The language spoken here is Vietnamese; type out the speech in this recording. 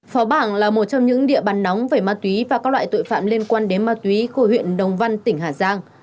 phó bảng là một trong những địa bàn nóng về ma túy và các loại tội phạm liên quan đến ma túy của huyện đồng văn tỉnh hà giang